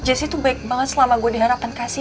jessi tuh baik banget selama gue diharapkan kasih